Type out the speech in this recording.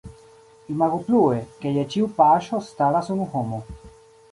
Imagu plue, ke je ĉiu paŝo staras unu homo.